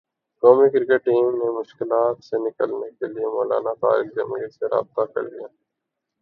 قومی cricket team نے مشکلات سے نکلنے کیلئے مولانا طارق جمیل سے رابطہ کرلیا